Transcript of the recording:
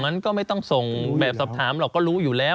มันก็ไม่ต้องส่งแบบสอบถามหรอกก็รู้อยู่แล้ว